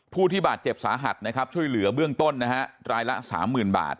ผู้ที่บาดเจ็บสาหัสนะครับช่วยเหลือเบื้องต้นนะฮะรายละ๓๐๐๐บาท